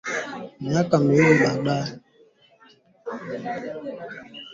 miaka miwili baada yake kuingia madarakani kutokana na kilimo cha bangi